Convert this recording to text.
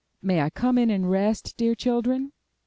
*'May I come in and rest, dear children?"